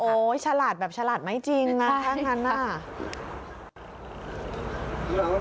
โอ๊ยฉลาดแบบฉลาดไม่จริงนะท่านคณะ